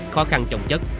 khó khăn trọng chất